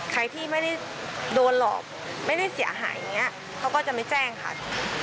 ใครที่ไม่ได้โดนหลอกไม่ได้เสียหายอย่างนี้เขาก็จะไม่แจ้งค่ะ